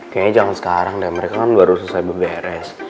kayaknya jangan sekarang deh mereka kan baru selesai berberes